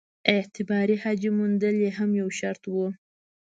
اعتباري حاجي موندل یې هم یو شرط وو.